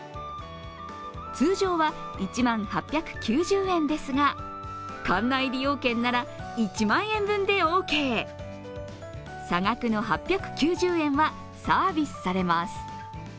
通常は１万８９０円ですが館内利用券なら１万円分でオーケー差額の８９０円はサービスされます。